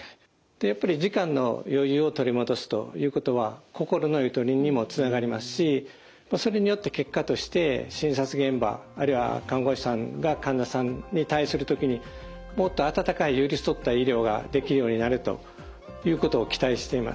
やっぱり時間の余裕を取り戻すということは心のゆとりにもつながりますしそれによって結果として診察現場あるいは看護師さんが患者さんに対する時にもっと温かい寄り添った医療ができるようになるということを期待しています。